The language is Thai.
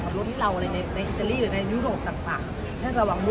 กรบบินเราอะไรในไอเทอรี่หรือในยุโรปจังหวัง